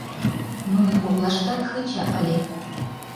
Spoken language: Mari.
Нунын коклаштак Хыча ыле.